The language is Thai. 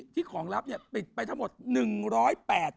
ของลับเนี่ยปิดไปทั้งหมด๑๐๘บาท